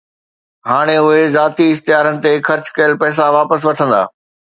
هاڻي اهي ذاتي اشتهارن تي خرچ ڪيل پئسا واپس وٺندا